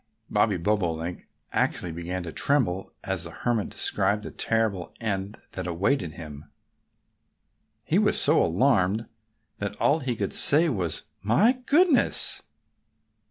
Bobby Bobolink actually began to tremble as the Hermit described the terrible end that awaited him. He was so alarmed that all he could say was, "My goodness!"